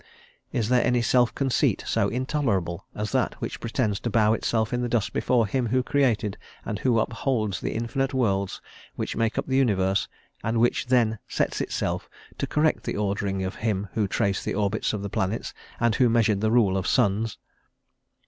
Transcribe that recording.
Is there any self conceit so intolerable as that which pretends to bow itself in the dust before him who created and who upholds the infinite worlds which make up the universe, and which then sets itself to correct the ordering of him who traced the orbits of the planets, and who measured the rule of suns?